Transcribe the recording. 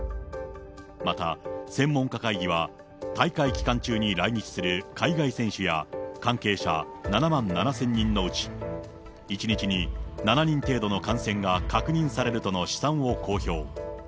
また専門家会議は、大会期間中に来日する海外選手や関係者７万７０００人のうち、１日に７人程度の感染が確認されるとの試算を公表。